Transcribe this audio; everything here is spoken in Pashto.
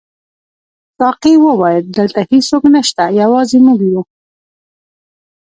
ساقي وویل: دلته هیڅوک نشته، یوازې موږ یو.